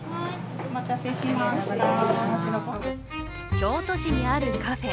京都市にあるカフェ。